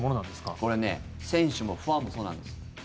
これね選手もファンもそうなんです。